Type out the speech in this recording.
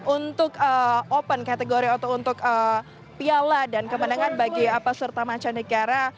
untuk open kategori atau untuk piala dan kemenangan bagi peserta mancanegara